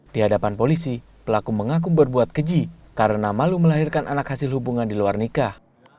di hadapan polisi pelaku mengaku berbuat keji karena malu melahirkan anak hasil hubungan di luar nikah